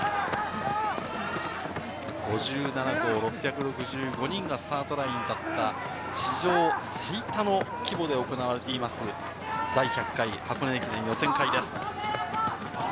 ５７校６６５人がスタートラインに立った史上最多の規模で行われています、第１００回箱根駅伝予選会です。